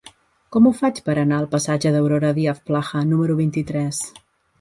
Com ho faig per anar al passatge d'Aurora Díaz Plaja número vint-i-tres?